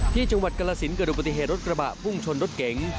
ที่จังหวัดกรสินเกิดดูปฏิเหตุรถกระบะพุ่งชนรถเก๋ง